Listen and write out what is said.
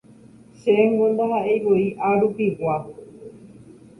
Chéngo ndaha'eivoi arupigua